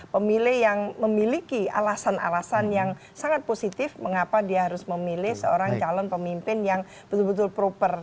pemilih yang memiliki alasan alasan yang sangat positif mengapa dia harus memilih seorang calon pemimpin yang betul betul proper